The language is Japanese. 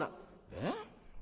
「えっ！？